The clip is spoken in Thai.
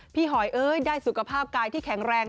หอยเอ้ยได้สุขภาพกายที่แข็งแรง